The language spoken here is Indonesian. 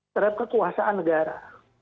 terhadap kekuasaan negara